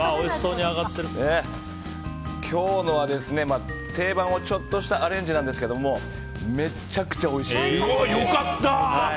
今日のは定番をちょっとしたアレンジなんですけどめちゃくちゃおいしいです。